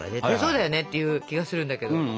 絶対そうだよねっていう気がするんだけど。